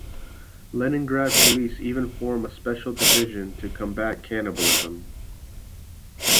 Leningrad police even formed a special division to combat cannibalism.